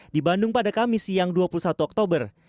di bandung pada kamis siang dua puluh satu oktober